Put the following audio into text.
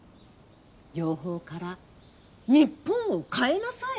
養蜂から日本を変えなさい！